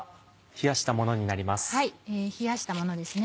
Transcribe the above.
冷やしたものです。